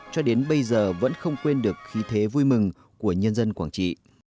cho đến bây giờ vẫn không quên được khí thế vui mừng của nhân dân quảng trị